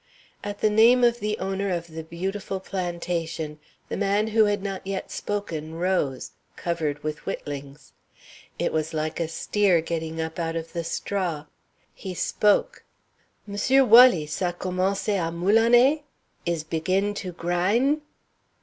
At the name of the owner of the beautiful plantation the man who had not yet spoken rose, covered with whittlings. It was like a steer getting up out of the straw. He spoke. "M'sieu' Walleece, a commencé à mouliner? Is big in to gryne?"